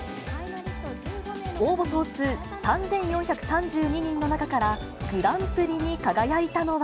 応募総数３４３２人の中から、グランプリに輝いたのは。